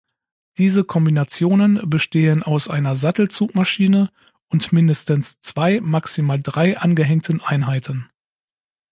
Diese Kombinationen bestehen aus einer Sattelzugmaschine und mindestens zwei, maximal drei angehängten Einheiten.